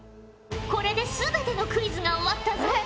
これで全てのクイズが終わったぞ。